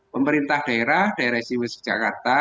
pemerintah daerah daerah sma jakarta